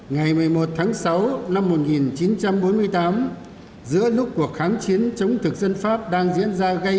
ngày một mươi một tháng sáu năm một nghìn chín trăm bốn mươi tám giữa lúc cuộc kháng chiến chống thực dân pháp đang diễn ra gây á